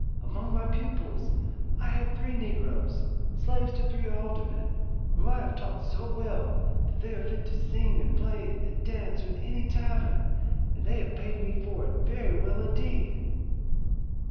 Among my pupils I have three negroes, slaves to three aldermen, whom I have taught so well that they are fit to sing and play at dance or in any tavern, and they have paid me for it very well indeed."